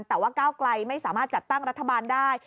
แต่ว่าก้าวไกลไม่สามารถจัดตั้งรัฐบาลได้